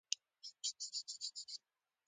که ګاونډي ته تاوان ورسېږي، ته هم غمژن شه